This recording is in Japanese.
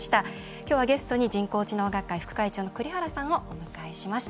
今日はゲストに人工知能学会副会長の栗原さんをお迎えしました。